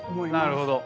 なるほど。